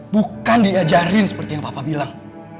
bukan diajarin seperti yang bapak bilang